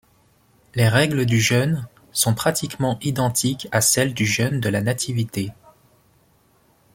Les règles du jeûne sont pratiquement identiques à celles du Jeûne de la Nativité.